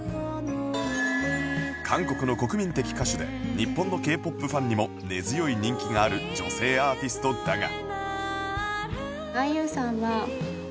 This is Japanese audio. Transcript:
韓国の国民的歌手で日本の Ｋ−ＰＯＰ ファンにも根強い人気がある女性アーティストだが